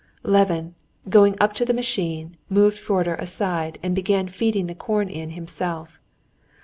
Levin, going up to the machine, moved Fyodor aside, and began feeding the corn in himself.